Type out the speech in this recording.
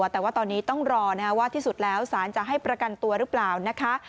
แต่ว่าตอนนี้ต้องรอว่าที่สุดแล้วสารจะให้ประกันตัวหรือเปล่านะคะ